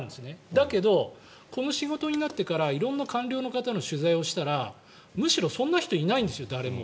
だけど、この仕事になってから色んな官僚の方の取材をしたらむしろそんな人いないんですよ、誰も。